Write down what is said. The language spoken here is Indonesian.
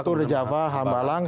tur di java hambahlang